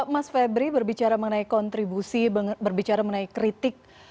mas febri berbicara mengenai kontribusi berbicara mengenai kritik